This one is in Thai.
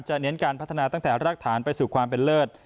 เน้นการพัฒนาตั้งแต่รากฐานไปสู่ความเป็นเลิศ